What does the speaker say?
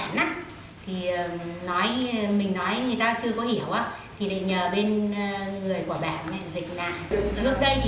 thì mình nói người ta chưa có hiểu thì để nhờ bên người của bẻn dịch nà